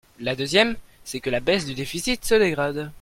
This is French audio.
La deuxième, c’est que la baisse du déficit se dégrade.